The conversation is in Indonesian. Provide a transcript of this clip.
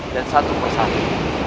dan satu persatu